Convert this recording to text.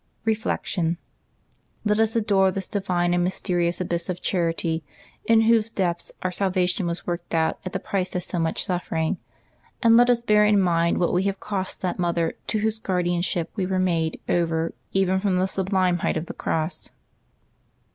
Reflection. — Let us adore this divine and mysterious abyss of charity, in whose depth our salvation was worked out at the price of so much suffering; and let us bear in mind what we have cost that Mother to whose guardian ship we were made over even from the sublime height of the cross.